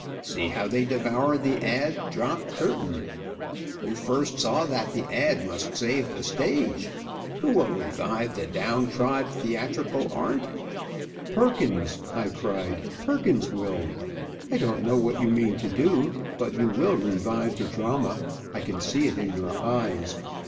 See how they devour the ad. drop curtain! Who first saw that the ad. must save the stage? Who will revive the down trod theatrical art?" "Perkins!" I cried. "Perkins will. I don't know what you mean to do, but you will revive the drama. I can see it in your eyes.